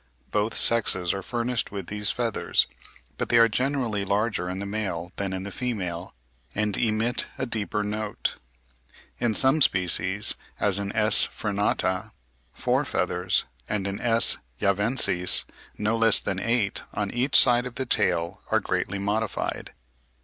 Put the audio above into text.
Both sexes are furnished with these feathers, but they are generally larger in the male than in the female, and emit a deeper note. In some species, as in S. frenata (Fig. 42), four feathers, and in S. javensis (Fig. 43), no less than eight on each side of the tail are greatly modified.